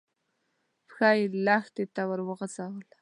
پښه يې لښتي ته ور وغځوله.